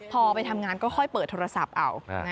พอไปทำงานก็ค่อยเปิดโทรศัพท์เอา